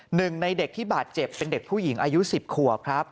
หนึ่งในเด็กที่บาดเจ็บเป็นเด็กผู้หญิงอายุ๑๐ขวบครับ